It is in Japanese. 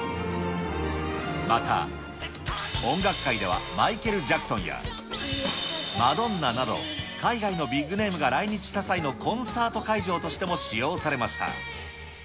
また、音楽界ではマイケル・ジャクソンや、マドンナなど、海外のビッグネームが来日した際のコンサート会場としても使用されました。